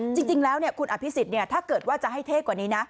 จริงแล้วคุณอภิษฎถ้าเกิดว่าจะให้เท่กว่านี้นะ